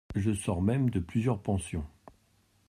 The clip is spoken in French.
Je sors même de plusieurs pensions.